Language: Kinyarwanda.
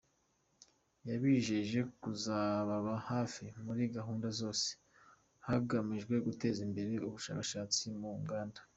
Yabijeje kuzababa hafi muri gahunda zose, hagamijwe guteza imbere ubushakashatsi mu nganda.